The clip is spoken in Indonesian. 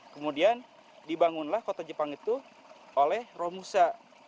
kemudian dibangunlah kota jepang itu oleh romusa